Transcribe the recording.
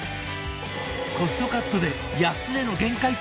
コストカットで安値の限界突破